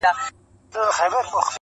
څوک چي د مار بچی په غېږ کي ګرځوینه!!